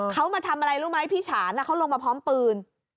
เขามาทำอะไรรู้ไหมพี่ฉานเขาลงมาพร้อมปืน